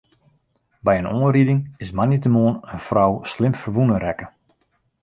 By in oanriding is moandeitemoarn in frou slim ferwûne rekke.